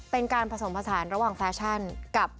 เป็นการผสมผสานระหว่างแฟชั่นกับ